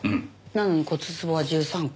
なのに骨壺は１３個。